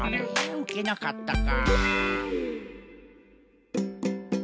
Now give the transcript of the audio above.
うけなかったか。